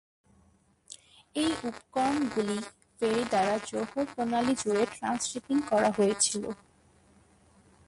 এই উপকরণগুলি ফেরি দ্বারা জোহর প্রণালী জুড়ে ট্রান্স-শিপিং করা হয়েছিল।